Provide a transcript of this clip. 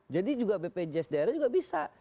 jadi juga bpjs daerah juga bisa